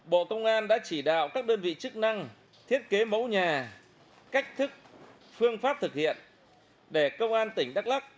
bộ công an đã chỉ đạo các đơn vị chức năng thiết kế mẫu nhà cách thức phương pháp thực hiện để công an tỉnh đắk lắc